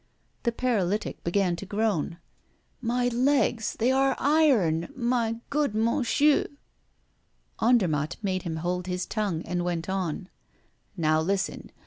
The paralytic began to groan: "My legs, they are iron, my good Monchieu!" Andermatt made him hold his tongue, and went on: "Now, listen!